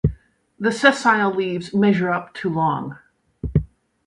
The sessile leaves measure up to long.